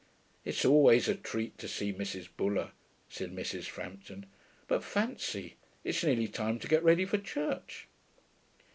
'It's always a treat to see Mrs. Buller,' said Mrs. Frampton. 'But fancy, it's nearly time to get ready for church.'